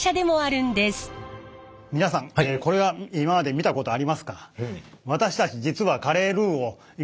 皆さんこれは今まで見たことありますか？